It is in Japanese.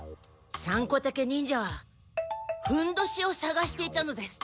サンコタケ忍者はふんどしをさがしていたのです。